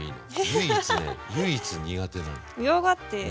唯一ね唯一苦手なのみょうが。